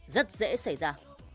rất dễ xảy ra